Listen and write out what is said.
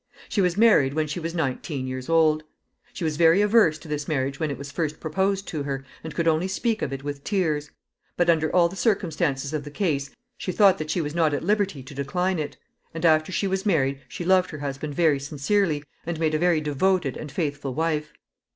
She was married when she was nineteen years old. She was very averse to this marriage when it was first proposed to her, and could only speak of it with tears; but, under all the circumstances of the case, she thought that she was not at liberty to decline it, and after she was married she loved her husband very sincerely, and made a very devoted and faithful wife.